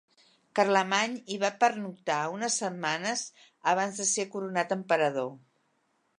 Carlemany hi va pernoctar unes setmanes abans de ser coronat emperador.